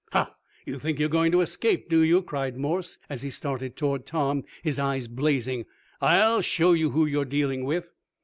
"Ha! You think you're going to escape, do you?" cried Morse, as he started toward Tom, his eyes blazing. "I'll show you who you're dealing with!"